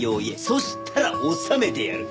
そしたら治めてやる。